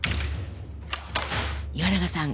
岩永さん